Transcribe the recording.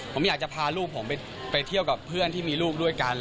ผมอยากจะพาลูกผมไปเที่ยวกับเพื่อนที่มีลูกด้วยกัน